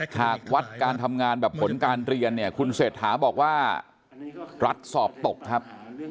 หากวัดการทำงานแบบผลการเรียนเนี่ยคุณเศรษฐาบอกว่ารัฐสอบตกครับ